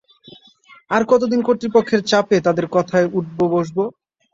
আর কতদিন কর্তৃপক্ষের চাপে তাদের কথায় উঠবো-বসবো?